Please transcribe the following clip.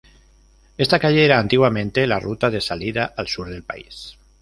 Esta calle era antiguamente la ruta de salida al sur del país.